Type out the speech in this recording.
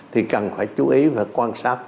thì cần phải chú ý và quan sát